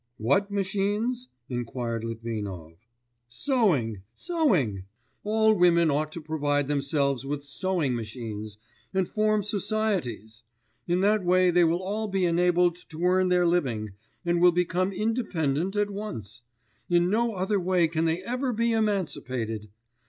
'What machines?' inquired Litvinov. 'Sewing, sewing; all women ought to provide themselves with sewing machines, and form societies; in that way they will all be enabled to earn their living, and will become independent at once. In no other way can they ever be emancipated.